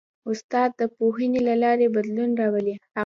استاد د پوهنې له لارې بدلون راولي.